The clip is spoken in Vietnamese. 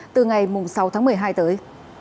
từ ngày sáu tháng một mươi hai tới